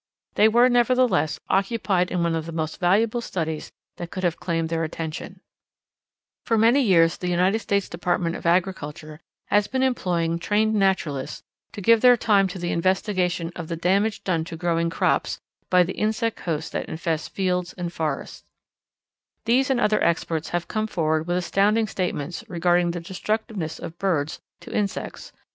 They were, nevertheless, occupied in one of the most valuable studies that could have claimed their attention. [Illustration: Preparing for the coming of the birds. A Junior Audubon class on Prince Edward Island] For many years the United States Department of Agriculture has been employing trained naturalists to give their time to the investigation of the damage done to growing crops by the insect hosts that infest fields and forests. These and other experts have come forward with astounding statements regarding the destructiveness of birds to insects.